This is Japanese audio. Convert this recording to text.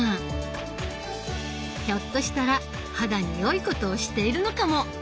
ひょっとしたら肌に良いことをしているのかも。